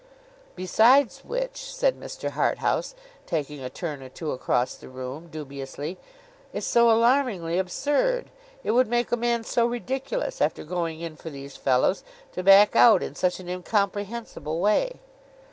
'Besides which,' said Mr. Harthouse, taking a turn or two across the room, dubiously, 'it's so alarmingly absurd. It would make a man so ridiculous, after going in for these fellows, to back out in such an incomprehensible way.